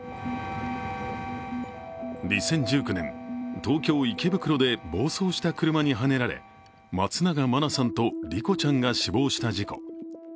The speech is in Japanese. ２０１９年、東京・池袋で暴走した車にはねられ松永真菜さんと莉子ちゃんが死亡した事故。